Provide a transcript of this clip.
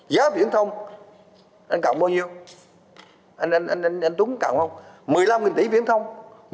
giá viễn thông anh cặn bao nhiêu anh túng cặn không một mươi năm tỷ viễn thông